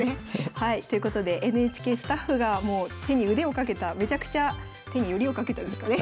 はいということでＮＨＫスタッフが手に腕をかけためちゃくちゃ手によりをかけたですかね